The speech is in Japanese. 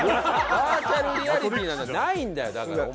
バーチャルリアリティーなんだからないんだよだからお前。